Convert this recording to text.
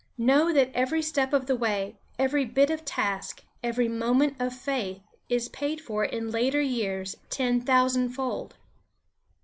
Know that every step of the way, every bit of task, every moment of faith is paid for in later years ten thousandfold.